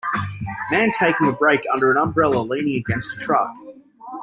Man taking a break under a umbrella leaning against truck.